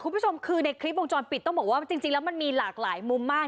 คุณผู้ชมคือในคลิปวงจรปิดต้องบอกว่าจริงแล้วมันมีหลากหลายมุมมาก